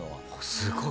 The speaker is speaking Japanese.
すごい。